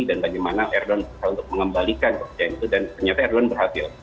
dan bagaimana erdogan bisa untuk mengembalikan kepercayaan itu dan ternyata erdogan berhasil